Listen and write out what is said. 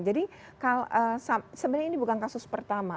jadi sebenarnya ini bukan kasus pertama